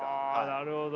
なるほど。